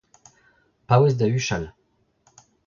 Paouez da huchal